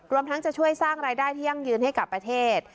ทั้งจะช่วยสร้างรายได้ที่ยั่งยืนให้กับประเทศ